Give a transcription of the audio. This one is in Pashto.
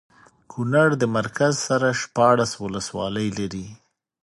کونړ د مرکز سره شپاړس ولسوالۍ لري